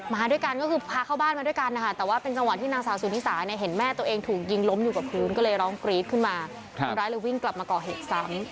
มาด้วยกันก็คือพาเข้าบ้านมาด้วยกันนะคะแต่ว่าเป็นจังหวะที่นางสาวสุธิสาเนี่ยเห็นแม่ตัวเองถูกยิงล้มอยู่กับพื้นก็เลยร้องกรี๊ดขึ้นมาคนร้ายเลยวิ่งกลับมาก่อเหตุซ้ำ